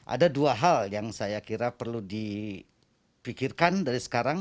ada dua hal yang saya kira perlu dipikirkan dari sekarang